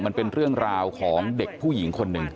มันเป็นเรื่องราวของเด็กผู้หญิงคนหนึ่ง